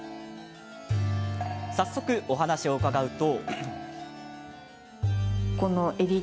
早速、お話を伺うと。